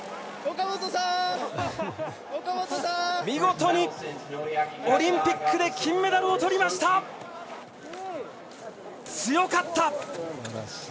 見事にオリンピックで金メダルをとりました。